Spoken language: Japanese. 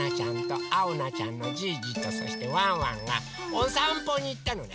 おなちゃんのじいじとそしてワンワンがおさんぽにいったのね。